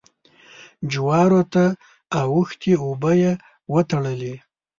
جوارو ته اوښتې اوبه يې وتړلې.